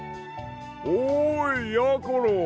おいやころ！